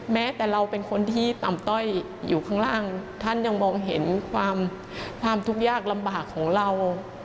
แม้แต่เราเป็นคนที่ต่ำต้อยอยู่ข้างล่างท่านยังมองเห็นความทุกข์ยากลำบากของเรา